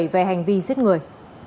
về hành vi giết người